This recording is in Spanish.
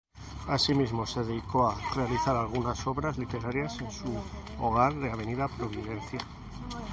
Asimismo, se dedicó a realizar algunas obras literarias en su hogar de avenida Providencia.